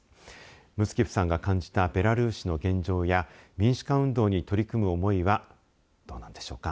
ムツキフさんが感じたベラルーシの現状や民主化運動に取り組む思いはどうなんでしょうか。